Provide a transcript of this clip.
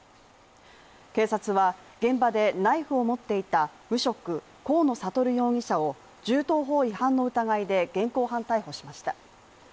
警察は、現場でナイフを持っていた無職河野智容疑者を銃刀法違反の疑いで現行犯逮捕しました。